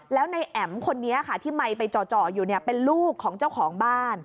แล้วในแอ๋มคนนี้ค่ะที่ไมค์ไปจ่ออยู่เป็นลูกของเจ้าของบ้าน